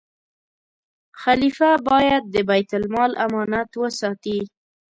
خلیفه باید د بیت المال امانت وساتي.